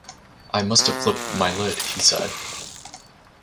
"I must have flipped my lid," he said.